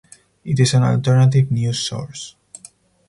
It is an alternative-news source.